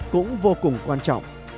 cũng vô cùng quan trọng